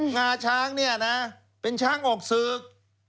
งาช้างเนี่ยนะเป็นช้างออกศึก